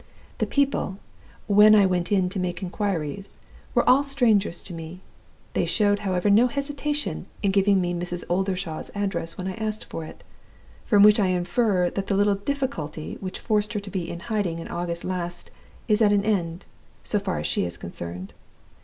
The people, when I went in to make inquiries, were all strangers to me. They showed, however, no hesitation in giving me Mrs. Oldershaw's address when I asked for it from which I infer that the little 'difficulty' which forced her to be in hiding in August last is at an end, so far as she is concerned.